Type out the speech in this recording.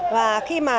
và khi mà